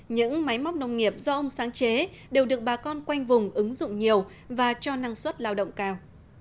những máy móc nông nghiệp do ông sáng chế đều được bà con quanh vùng ứng dụng nhiều và cho năng suất lao động cao